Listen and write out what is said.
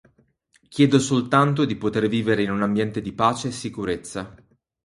Chiedo soltanto di poter vivere in un ambiente di pace e sicurezza.